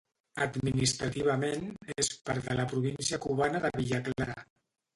Administrativament, és part de la província cubana de Villa Clara.